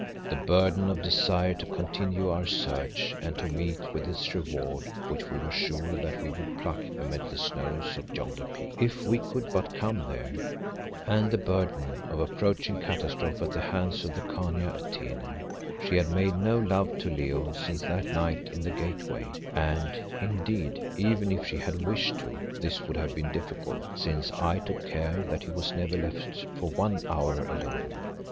The burden of desire to continue our search and to meet with its reward which we were sure that we should pluck amid the snows of yonder peak, if we could but come there; and the burden of approaching catastrophe at the hands of the Khania Atene. She had made no love to Leo since that night in the Gateway, and, indeed, even if she had wished to, this would have been difficult, since I took care that he was never left for one hour alone.